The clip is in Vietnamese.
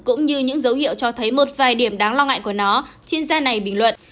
cũng như những dấu hiệu cho thấy một vài điểm đáng lo ngại của nó chuyên gia này bình luận